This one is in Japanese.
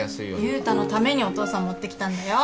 悠太のためにお父さん持ってきたんだよ。